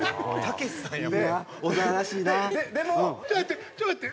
ちょっと待ってちょっと待って。